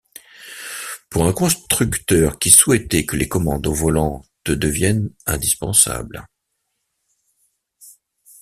Pour un constructeur qui souhaitait que les commandes au volant te deviennent indispensables.